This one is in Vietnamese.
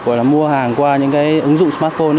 gọi là mua hàng qua những cái ứng dụng smartphone